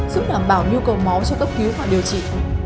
giúp đảm bảo nhu cầu máu cho cấp cứu và điều trị